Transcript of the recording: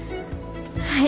はい。